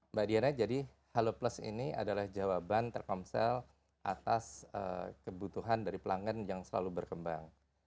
mbak diana jadi halo plus ini adalah jawaban telkomsel atas kebutuhan dari pelanggan yang selalu berkembang